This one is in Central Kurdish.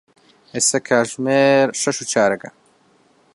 ئێستا کاتژمێر شەش و چارەگە.